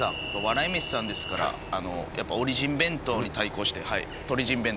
笑い飯さんですからやっぱオリジン弁当に対抗してはい。